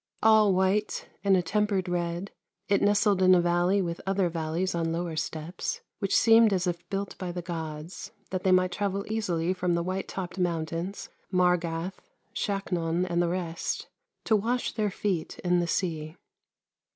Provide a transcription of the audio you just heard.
All white and a tem pered red, it nestled in a valley with other valleys on lower steppes, which seemed as if built by the gods, that they might travel easily from the white topped mountains, jMargath, Shaknon, and the rest, to wash their feet in the sea.